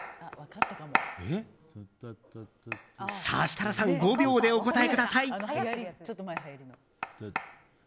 さあ、設楽さん５秒でお答えください！